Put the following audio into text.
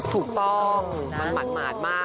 ถูกต้องมันหมาดมาก